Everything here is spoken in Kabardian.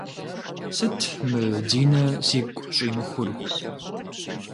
Сыт мы Динэ сигу щӏимыхур?